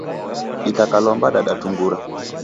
Dikakalomba dadatungura.